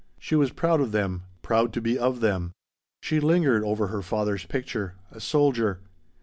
She was proud of them, proud to be of them. She lingered over her father's picture. A soldier.